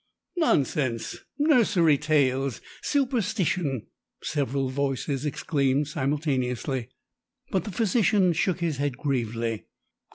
"Nonsense!" "Nursery tales!" "Superstition!" several voices exclaimed simultaneously. But the physician shook his head gravely.